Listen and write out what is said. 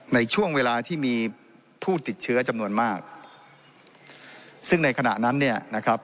ในช่วงเวลาที่มีผู้ติดเชื้อจำนวนมากซึ่งในขณะนั้นเนี่ยนะครับ